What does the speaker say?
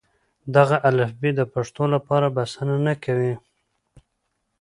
دغه الفبې د پښتو لپاره بسنه نه کوي.